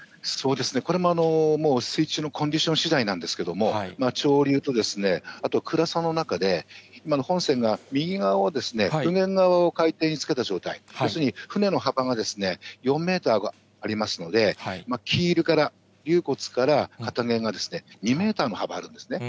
これももう水中のコンディションしだいなんですけれども、潮流と暗さの中で、本戦が右側を、右舷側を海底につけた状態、要するに、船の幅が４メーターありますので、キールから、竜骨から片面が２メーターの幅あるんですね。